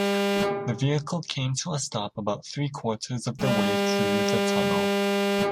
The vehicle came to a stop about three-quarters of the way through the tunnel.